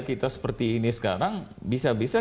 kita seperti ini sekarang bisa bisa